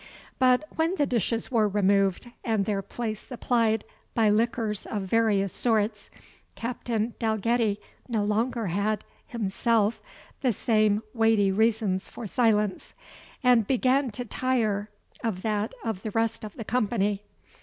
But, when the dishes were removed, and their place supplied by liquors of various sorts, Captain Dalgetty no longer had, himself, the same weighty reasons for silence, and began to tire of that of the rest of the company.